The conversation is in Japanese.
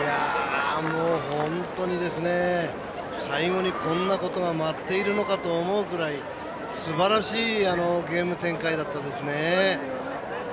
もう本当に最後にこんなことが待っているのかと思うぐらいすばらしいゲーム展開だったですね。